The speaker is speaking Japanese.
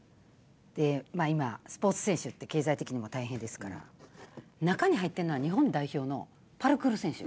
まあ今スポーツ選手って経済的にも大変ですから中に入ってるのは日本代表のパルクール選手。